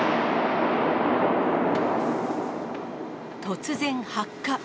突然発火。